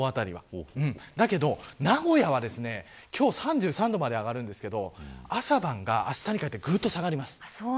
だけど名古屋は今日３３度まで上がるんですけど朝晩があしたにかけて下がります。